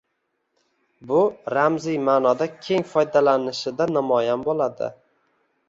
Bu ramziy ma’noda keng foydalanishida namoyon bo‘ladi.